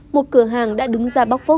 một cửa hàng đã đứng ra bóc phốt